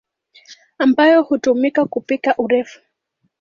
ambayo hutumika kupika urefu.